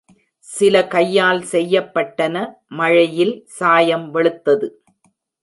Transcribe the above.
சில கையால் செய்யப்பட்டன, மழையில் சாயம் வெளுத்தது.